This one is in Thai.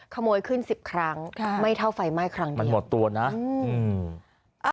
ขโมยขึ้นสิบครั้งค่ะไม่เท่าไฟไหม้ครั้งนี้มันหมดตัวนะอืม